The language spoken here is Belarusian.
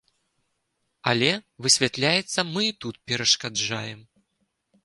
Але, высвятляецца, мы і тут перашкаджаем.